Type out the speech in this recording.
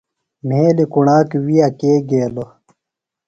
مھیلیۡ کُݨاک وِیہ کے گیلوۡ؟